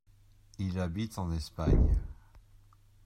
Il habite en Espagne.